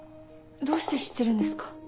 どうして知ってるんですか？